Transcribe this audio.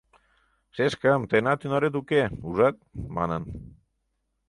— Шешкым, тыйынат ӱнарет уке, ужат, — манын.